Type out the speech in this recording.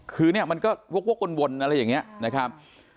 คือเนี่ยมันก็วกวนอะไรอย่างนี้นะครับ